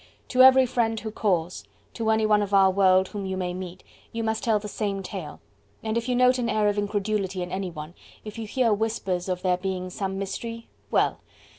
To every friend who calls, to anyone of our world whom you may meet, you must tell the same tale, and if you note an air of incredulity in anyone, if you hear whispers of there being some mystery, well!